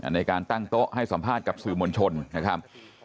ในการตั้งโต๊ะให้สัมภาษณ์กับสื่อมวลชนนะครับ